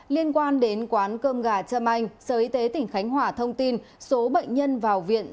liên quan đến quán cơm gà trâm anh sở y tế tỉnh khánh hỏa thông tin số bệnh nhân vào viện